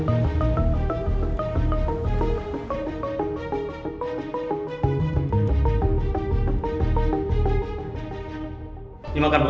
ehm apa rupanya